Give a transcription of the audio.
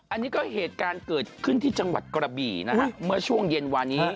อันนี้ก็เหตุการณ์เกิดขึ้นที่จังหวัดกระบี่นะฮะเมื่อช่วงเย็นวานี้